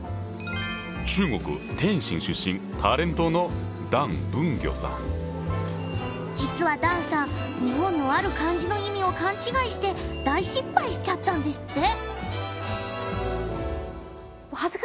中国・天津出身実は段さん日本のある漢字の意味を勘違いして大失敗しちゃったんですって。